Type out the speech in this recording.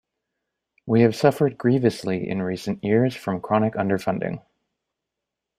We have suffered grievously in recent years from chronic underfunding.